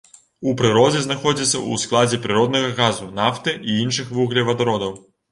У прыродзе знаходзіцца ў складзе прыроднага газу, нафты і іншых вуглевадародаў.